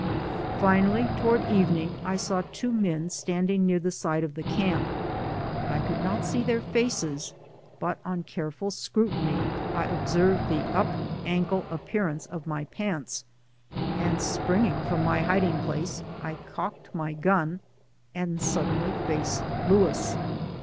Finally, toward evening, I saw two men standing near the side of the camp. I could not see their faces, but on careful scrutiny, I observed the up ankle appearance of my pants, and springing from my hiding place I cocked my gun and suddenly faced Louis.